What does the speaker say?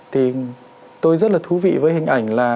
thì tôi rất là thú vị với hình ảnh là